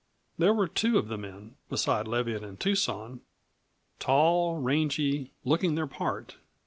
There were two of the men, beside Leviatt and Tucson tall, rangy looking their part.